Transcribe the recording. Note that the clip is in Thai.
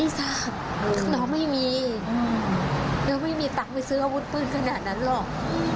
ทราบน้องไม่มีน้องไม่มีตังค์ไปซื้ออาวุธปืนขนาดนั้นหรอก